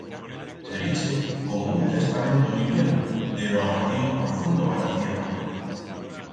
S'eriche como un testamento vivient de ro arradigo profundo a ra tierra.